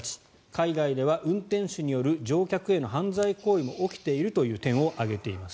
海外では運転手による乗客への犯罪行為も起きているという点も挙げています。